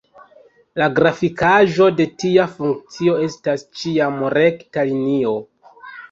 La grafikaĵo de tia funkcio estas ĉiam rekta linio.